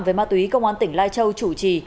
về ma túy công an tỉnh lai châu chủ trì